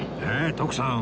徳さん